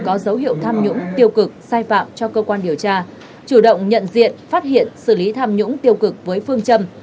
có dấu hiệu tham nhũng tiêu cực sai phạm cho cơ quan điều tra chủ động nhận diện phát hiện xử lý tham nhũng tiêu cực với phương châm